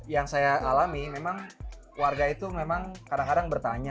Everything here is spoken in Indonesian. yang saya alami memang warga itu memang kadang kadang bertanya